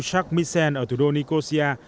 jacques michel ở thủ đô nikosia